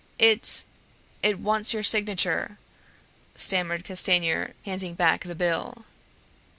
"It ... it wants your signature ..." stammered Castanier, handing back the bill.